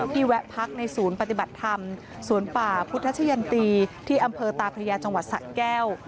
แวะพักในศูนย์ปฏิบัติธรรมสวนป่าพุทธชะยันตีที่อำเภอตาพระยาจังหวัดสะแก้ว